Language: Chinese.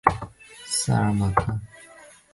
萨克马尔。